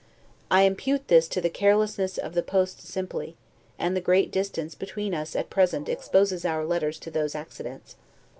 I impute this to the carelessness of the post simply: and the great distance between us at present exposes our letters to those accidents.